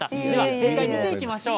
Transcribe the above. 正解を見ていきましょう。